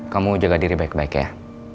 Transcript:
kamu jaga diri baik baik ya